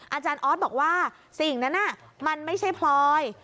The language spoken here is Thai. อาจารย์ออสบอกว่าสิ่งนั้นมันไม่ใช่พลอย